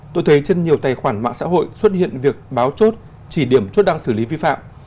tôi thấy trên nhiều tài khoản mạng xã hội xuất hiện việc báo chốt chỉ điểm chốt đang xử lý vi phạm